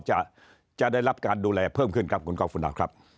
จะได้รับการดูแลเพิ่มขึ้นครับคุณกอล์ฟคุณดาวครับ